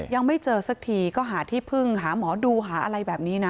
ยังไม่เจอสักทีก็หาที่พึ่งหาหมอดูหาอะไรแบบนี้นะ